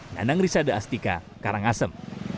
nenang risada astika karangasem